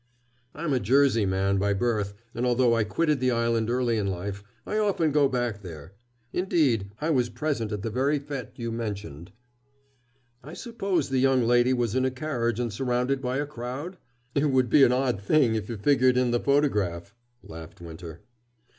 "I am a Jersey man by birth, and, although I quitted the island early in life, I often go back there. Indeed, I was present at the very fête you mention." "I suppose the young lady was in a carriage and surrounded by a crowd? It would be an odd thing if you figured in the photograph," laughed Winter.